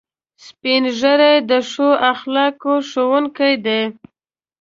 سپین ږیری د ښو اخلاقو ښوونکي دي